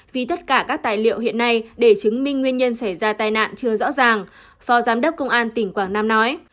vì tất cả các tài liệu hiện nay để chứng minh nguyên nhân xảy ra tai nạn chưa rõ ràng phó giám đốc công an tỉnh quảng nam nói